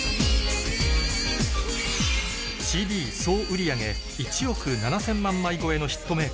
ＣＤ総売り上げ１億７０００万枚超えのヒットメーカー